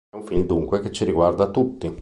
È un film dunque che ci riguarda tutti.